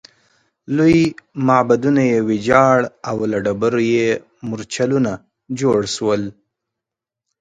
لوی معبدونه یې ویجاړ او له ډبرو یې مورچلونه جوړ شول